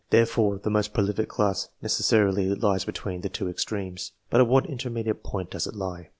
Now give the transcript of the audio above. Therefore, the most prolific class necessarily lies between the two extremes, but at what intermediate point does it lie